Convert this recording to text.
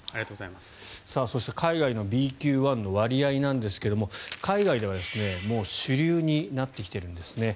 そして海外のＢＱ．１の割合なんですが海外ではもう主流になってきているんですね。